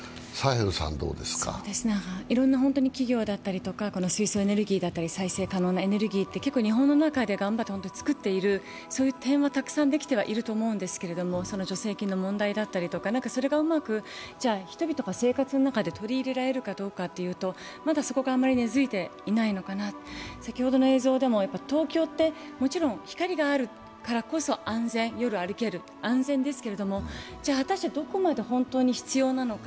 いろんな企業だったりとか、水素エネルギーだったりとか再生可能なエネルギーって日本の中で本当に頑張って作っている、そういう点はたくさんできていると思うんですけど、助成金の問題だったりとかそれがうまく人々の生活に取り入れられるかどうかというと、まだそこが根付いていないのかな、先ほどの映像でも東京ってもちろん光があるからこそ安全、夜歩ける、安全ですけれども果たしてどこまで必要なのか。